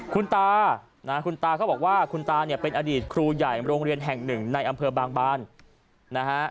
คุณตานะคุณตาเขาบอกว่าคุณตาเนี่ยเป็นอดีตครูใหญ่โรงเรียนแห่งหนึ่งในอำเภอบางบานนะฮะ